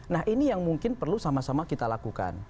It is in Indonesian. nah ini yang mungkin perlu sama sama kita lakukan